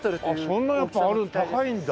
あっそんなやっぱある高いんだ。